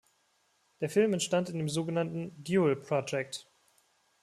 Der Film entstand in dem sogenannten "Duel Project".